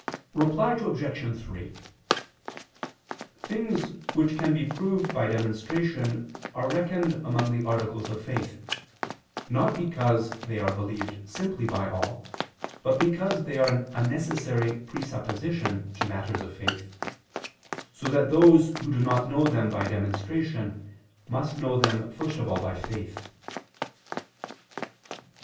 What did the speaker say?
Reply Obj. 3: Things which can be proved by demonstration are reckoned among the articles of faith, not because they are believed simply by all, but because they are a necessary presupposition to matters of faith, so that those who do not known them by demonstration must know them first of all by faith.